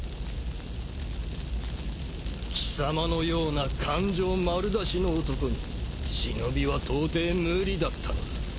貴様のような感情丸出しの男に忍はとうてい無理だったのだ。